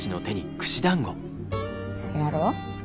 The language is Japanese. そやろ？